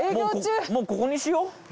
もうここにしよう。